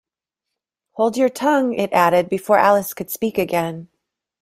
‘Hold your tongue!’ it added, before Alice could speak again.